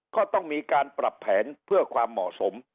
ก็ต้องมีการปรับแผนเพื่อความเหมาะสม